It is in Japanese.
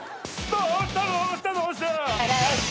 どうした？